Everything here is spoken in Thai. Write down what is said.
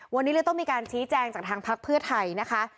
วันนี้เลยต้องมีการชี้แจงจากทางพักเพื่อไทยนะคะ